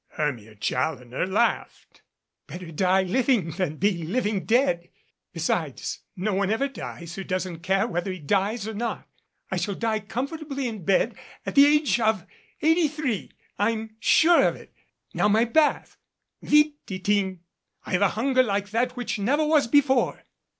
Hermia Challoner laughed. HERMIA "Better die living than be living dead. Besides, no one ever dies who doesn't care whether he dies or not. I shall die comfortably in 'bed at the age of eighty three, I'm sure of it. Now, my bath. Vite, Titinel I have a hunger like that which never was before."